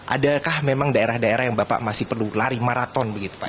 adakah memang daerah daerah yang bapak masih perlu lari maraton begitu pak